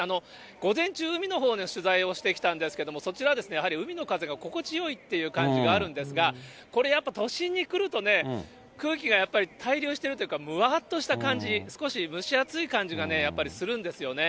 午前中、海のほうで取材をしてきたんですけれども、そちらはやはり海の風が心地よいっていう感じがあるんですが、これやっぱり都心に来るとね、空気がやっぱり滞留してるというか、むわーっとした感じ、少し蒸し暑い感じがね、やっぱりするんですよね。